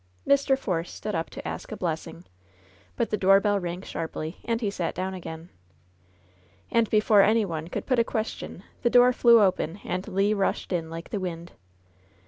Mr. Force stood up to ask a blessing, but the door bell rang sharply and he sat down again. And before any one could put a question the door flew open and Le rushed in like the wind.